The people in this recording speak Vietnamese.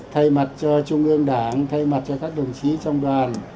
thay mặt cho trung ương đảng thay mặt cho các đồng chí trong đoàn